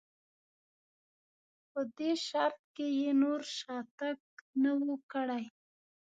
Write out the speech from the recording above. خو په دې شرط که یې نور شاتګ نه و کړی.